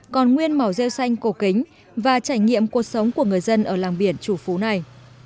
còn nguyên màu rêu xanh cổ kính và trải nghiệm cuộc sống của người dân ở làng biển chủ phú này